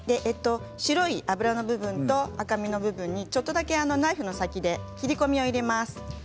白い脂の部分と赤身の部分にちょっとだけにナイフの先で切り込みを入れます。